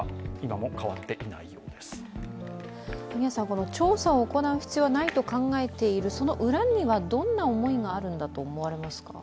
この調査を行う必要はないと考えている、その裏には、どんな思いがあるんだと思われますか。